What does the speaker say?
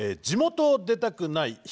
「地元を出たくない！